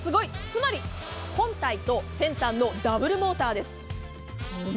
つまり本体と先端のダブルモーターです。